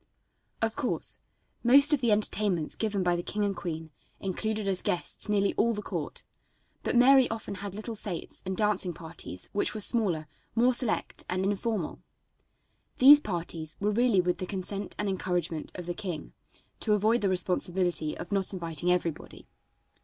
Of course most of the entertainments given by the king and queen included as guests nearly all the court, but Mary often had little fêtes and dancing parties which were smaller, more select and informal. These parties were really with the consent and encouragement of the king, to avoid the responsibility of not inviting everybody.